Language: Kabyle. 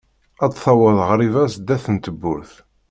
ad d-taweḍ ɣriba sdat n tewwurt.